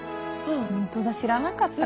本当だ知らなかった。